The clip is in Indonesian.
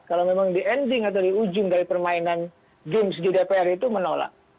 kalau memang di ending atau di ujung dari permainan games di dpr itu menolak